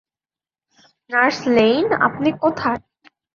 Nurse Lane, আপনি কোথায়?